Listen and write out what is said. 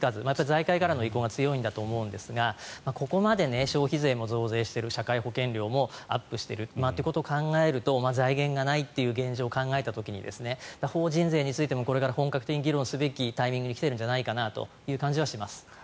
財界からの意向が強いんだと思うんですがここまで消費税も増税している社会保険料もアップしているということを考えると財源がないという現状を考えた時に法人税についてもこれから本格的に議論すべきタイミングに来ているんじゃないかという感じはします。